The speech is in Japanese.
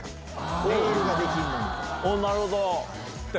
なるほど！